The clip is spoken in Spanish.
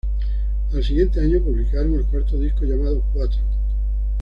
Al siguiente año publicaron el cuarto disco llamado "Quatro".